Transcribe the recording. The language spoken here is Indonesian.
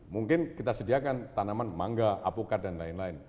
mungkin kita sediakan tanaman mangga alpukat dan lain lain